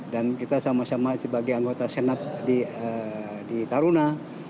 dan kita sama sama sebagai anggota senat di taruna